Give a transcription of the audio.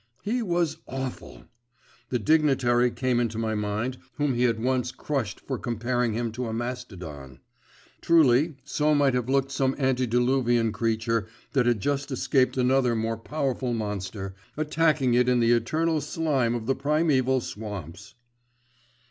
He was awful! The dignitary came into my mind whom he had once crushed for comparing him to a mastodon. Truly, so might have looked some antediluvian creature that had just escaped another more powerful monster, attacking it in the eternal slime of the primeval swamps.